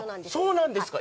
そうなんですか。